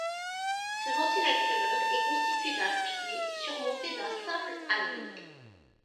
Ce ventilateur est constitué d'un pied surmonté d'un simple anneau.